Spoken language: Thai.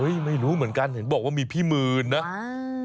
เฮ้ยไม่รู้เหมือนกันบอกว่ามีพี่เมื่อนเนอะ